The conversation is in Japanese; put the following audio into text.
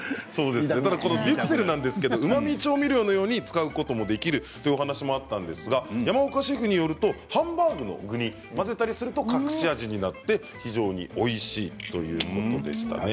デュクセルはうまみ調味料のように使うこともできるという話だったんですが山岡シェフによるとハンバーグの具に混ぜたりすると隠し味になって非常においしいということでした。